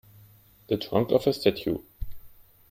The trunk of a statue.